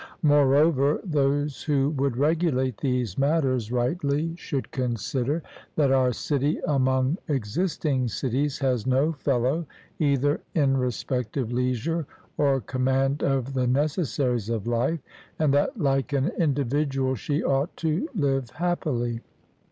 Moreover, those who would regulate these matters rightly should consider, that our city among existing cities has no fellow, either in respect of leisure or command of the necessaries of life, and that like an individual she ought to live happily.